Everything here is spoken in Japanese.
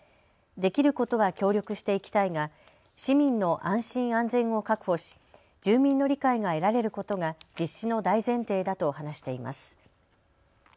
できることは協力していきたいが市民の安心安全を確保し住民の理解が得られることが実施の大前提だと話しています。